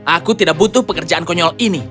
aku tidak butuh pekerjaan konyol ini